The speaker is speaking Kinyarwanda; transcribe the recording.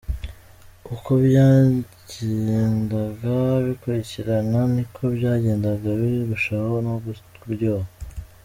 Uko byagendaga bikurikirana, niko byagendaga birushaho no kuryoha.